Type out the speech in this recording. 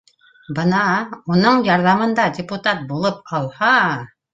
Бына уның ярҙамында депутат булып алһа